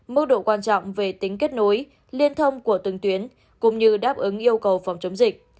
mức độ quan trọng về tính kết nối liên thông của từng tuyến cũng như đáp ứng yêu cầu phòng chống dịch